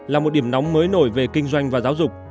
là một điểm nóng mới nổi về kinh doanh và giáo dục